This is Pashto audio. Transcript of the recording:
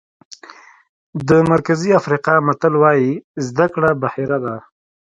د مرکزي افریقا متل وایي زده کړه بحیره ده.